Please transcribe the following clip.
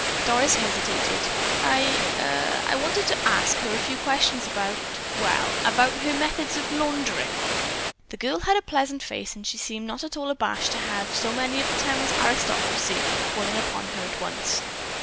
Doris hesitated. "I—er—wanted to ask her a few questions about—well, about her methods of laundering." The girl had a pleasant face and she seemed not at all abashed to have so many of the town's "aristocracy" calling upon her at once.